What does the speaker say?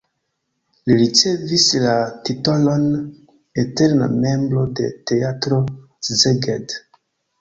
Li ricevis la titolon "eterna membro de Teatro Szeged".